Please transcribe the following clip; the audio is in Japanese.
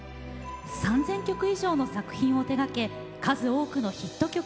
３，０００曲以上の作品を手がけ数多くのヒット曲を世に送り出しました。